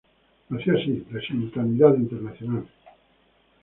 Nació, así, la simultaneidad internacional.